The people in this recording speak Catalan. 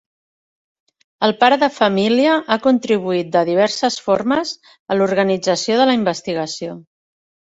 El pare de família ha contribuït de diverses formes a l"organització de la investigació.